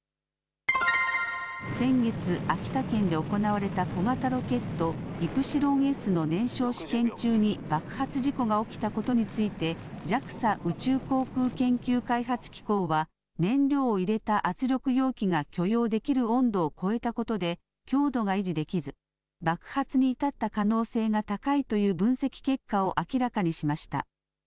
先月、秋田県で行われた小型ロケット、イプシロンＳの燃焼試験中に爆発事故が起きたことについて、ＪＡＸＡ・宇宙航空研究開発機構は、燃料を入れた圧力容器が許容できる温度を超えたことで、強度が維持できず、爆発に至った可能性が高いという分析結果を明らかにしました。